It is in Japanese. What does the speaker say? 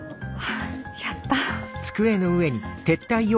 やった。